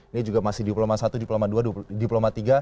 ini juga masih diploma satu diploma dua diploma tiga